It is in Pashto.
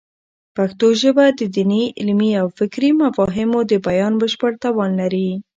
پښتو ژبه د دیني، علمي او فکري مفاهیمو د بیان بشپړ توان لري.